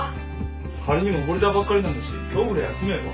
仮にも溺れたばっかりなんだし今日ぐらい休めば？